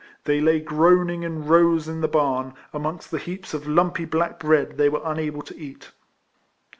They lay groaning in rows in the barn, amongst the heaps of lumpy black bread they were unable to eat.